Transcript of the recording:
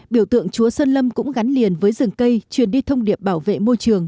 biểu tượng chúa sơn lâm cũng gắn liền với rừng cây truyền đi thông điệp bảo vệ môi trường